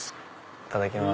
いただきます。